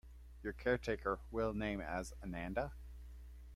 Your caretaker will name as Ananda.